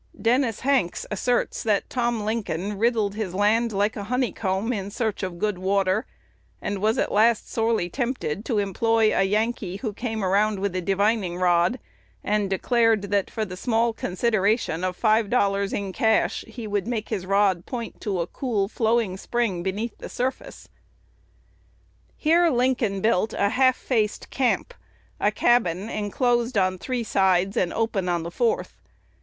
Dennis Hanks asserts that Tom Lincoln "riddled his land like a honeycomb," in search of good water, and was at last sorely tempted to employ a Yankee, who came around with a divining rod, and declared that for the small consideration of five dollars in cash, he would make his rod point to a cool, flowing spring beneath the surface. Here Lincoln built "a half faced camp," a cabin enclosed on three sides and open on the fourth.